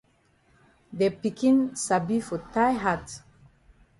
De pikin sabi for tie hat.